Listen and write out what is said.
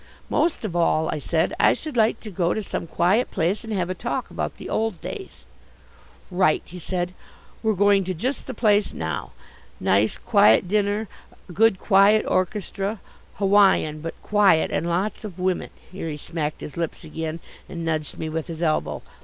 "Most of all," I said, "I should like to go to some quiet place and have a talk about the old days." "Right," he said. "We're going to just the place now nice quiet dinner, a good quiet orchestra, Hawaiian, but quiet, and lots of women." Here he smacked his lips again, and nudged me with his elbow.